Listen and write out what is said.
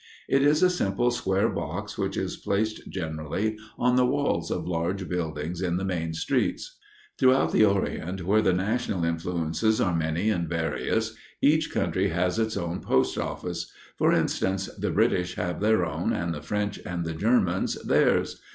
It is a simple square box which is placed generally on the walls of large buildings in the main streets. Throughout the Orient, where the national influences are many and various, each country has its own post office. For instance, the British have their own, and the French and the Germans theirs.